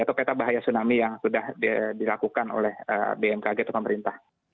atau peta bahaya tsunami yang sudah dilakukan oleh bmkg atau pemerintah